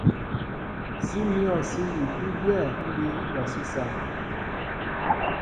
Sí myɔ̂ sí ipí byɛ̂ ḿbí awasí sááŋ.